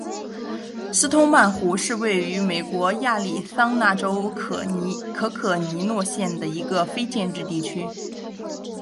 斯通曼湖是位于美国亚利桑那州可可尼诺县的一个非建制地区。